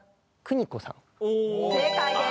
正解です。